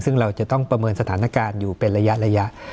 ซึ่งเราจะต้องประเมินสถานการณ์อยู่เป็นระยะ